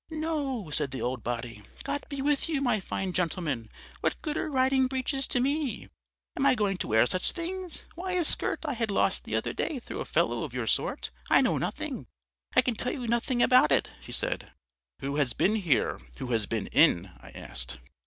"'No,' said the old body, 'God be with you, my fine gentleman, what good are riding breeches to me? Am I going to wear such things? Why, a skirt I had I lost the other day through a fellow of your sort ... I know nothing; I can tell you nothing about it,' she said. "'Who has been here, who has been in?' I asked.